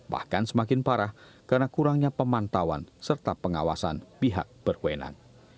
bahkan semakin parah karena kurangnya pemantauan serta pengawasan pihak berwenang